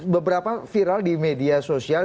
beberapa viral di media sosial